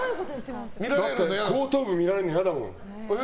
だって後頭部、見られるの嫌だもん。